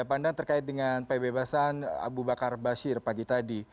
ya pandang terkait dengan pebebasan abu bakar basir pagi tadi